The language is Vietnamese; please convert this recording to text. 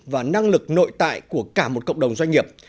và năng lực nội tại của cả một cộng đồng doanh nghiệp